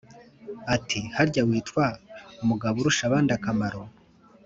ati:"harya witwa mugaburushabandakamaro?